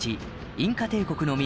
インカ帝国の都